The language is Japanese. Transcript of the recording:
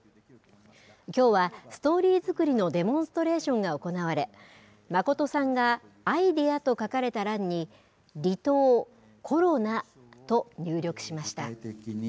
きょうはストーリー作りのデモンストレーションが行われ、眞さんがアイデアと書かれた欄に、離島、コロナと入力しました。